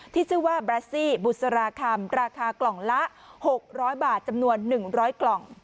ที่ชื่อว่าบรสซี่บุษราคำราคากล่องละ๖๐๐บาทจำนวน๑๐๐กล่อง